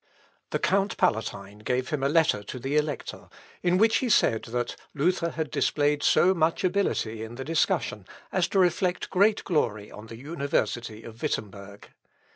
The Count Palatine gave him a letter to the Elector, in which he said that "Luther had displayed so much ability in the discussion as to reflect great glory on the university of Wittemberg."